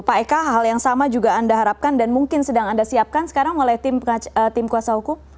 pak eka hal yang sama juga anda harapkan dan mungkin sedang anda siapkan sekarang oleh tim kuasa hukum